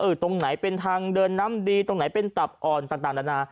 ตรงไหนเป็นทางเดินน้ำดีตรงไหนเป็นตับอ่อนต่างนานา